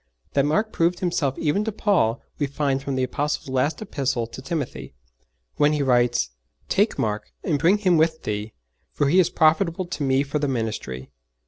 That Mark proved himself even to Paul we find from the Apostle's last Epistle to Timothy, when he writes: '_Take Mark, and bring him with thee: for he is profitable to me for the ministry.